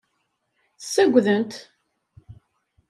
Ssaggden-t.